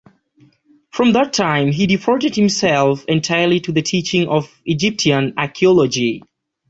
From that time he devoted himself entirely to the teaching of Egyptian archaeology.